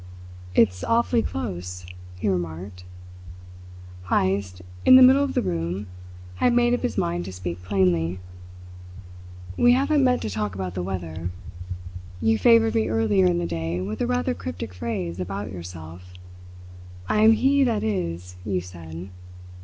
"It's awfully close," he remarked Heyst, in the middle of the room, had made up his mind to speak plainly. "We haven't met to talk about the weather. You favoured me earlier in the day with a rather cryptic phrase about yourself. 'I am he that is,' you said.